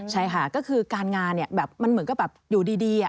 ใช่ค่ะก็คือการงานมันเหมือนกับแบบอยู่ดี